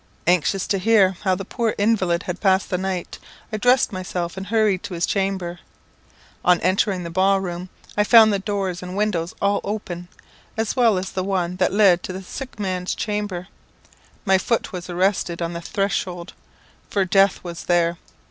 Anxious to hear how the poor invalid had passed the night, I dressed myself and hurried to his chamber. On entering the ball room I found the doors and windows all open, as well as the one that led to the sick man's chamber. My foot was arrested on the threshold for death was there.